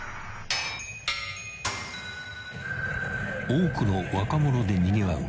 ［多くの若者でにぎわう